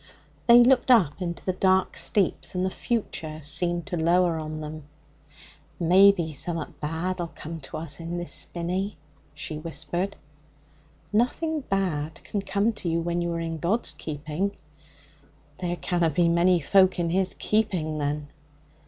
They looked up into the dark steeps, and the future seemed to lower on them. 'Maybe summat bad'll come to us in this spinney,' she whispered. 'Nothing bad can come to you when you are in God's keeping.' There canna be many folk in His keeping, then.'